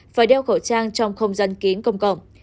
phải đeo khẩu trang trong không gian kín công cộng